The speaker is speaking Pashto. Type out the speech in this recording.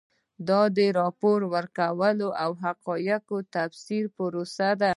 دا د راپور ورکولو او حقایقو د تفسیر پروسه ده.